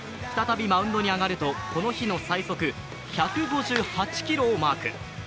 再びマウンドに上がるとこの日の最速、１５８キロをマーク。